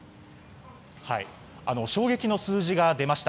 衝撃の数字が出ました。